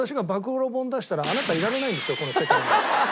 この世界に」。